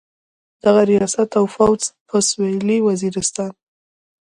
دغه ریاست او فوځ په سویلي وزیرستان.